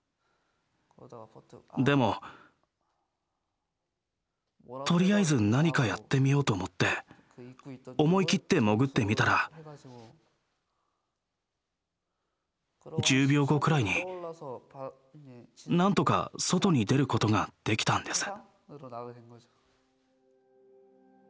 でもとりあえず何かやってみようと思って思い切って潜ってみたら１０秒後くらいになんとか外に出ることができたんです。